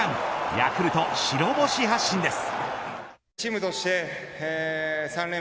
ヤクルト白星発進です。